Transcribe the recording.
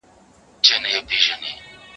مه ئې واده، مه ئې نوم.